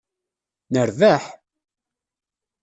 Nerbaḥ!